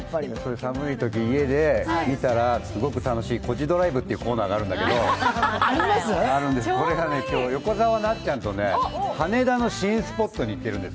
寒いとき、家で見たらすごく楽しい「コジドライブ」ってコーナーがあるんだけど、これがね、今日は横澤なっちゃんと羽田の新スポットに行ってます。